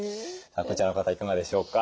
こちらの方いかがでしょうか？